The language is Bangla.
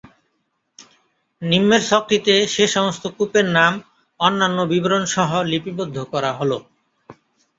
নিম্নের ছকটিতে সেসমস্ত কূপের নাম অন্যান্য বিবরণসহ লিপিবদ্ধ করা হলো।